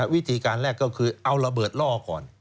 วิธีการแรกก็คือเอาระเบิดล่อก่อน